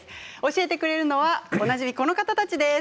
教えてくれるのはおなじみ、この方たちです。